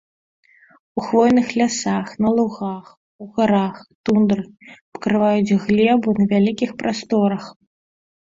У хвойных лясах, на лугах, у гарах, тундры пакрываюць глебу на вялікіх прасторах.